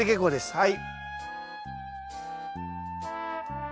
はい。